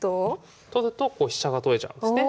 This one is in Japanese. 取ると飛車が取れちゃうんですね。